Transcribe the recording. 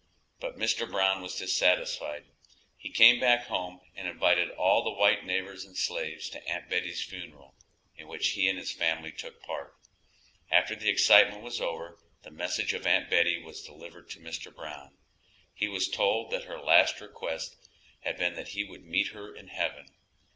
But Mr. Brown was dissatisfied; he came back home and invited all the white neighbors and slaves to Aunt Betty's funeral, in which he and his family took part. After the excitement was over the message of Aunt Betty was delivered to Mr. Brown; he was told that her last request had been that he would meet her in heaven.